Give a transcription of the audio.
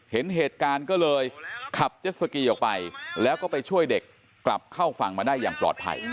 เห็นเหตุการณ์ก็เลยขับเจ็ดสกีออกไปแล้วก็ไปช่วยเด็กกลับเข้าฝั่งมาได้อย่างปลอดภัย